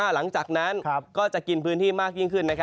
หลังจากนั้นก็จะกินพื้นที่มากยิ่งขึ้น